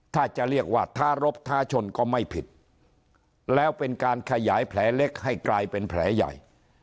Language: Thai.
ถ้าจะเรียกว่าท้ารบท้าชนก็ไม่ผิดแล้วเป็นการขยายแผลเล็กให้กลายเป็นแผลใหญ่